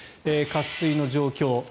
渇水の状況。